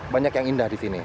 banyak yang indah di sini